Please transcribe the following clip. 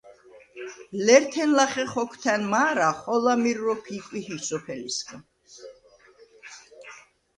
ლერთენ ლახე ხოქვთა̈ნ მა̄რა, ხოლა მირ როქვ იკვიჰი სოფელისგა.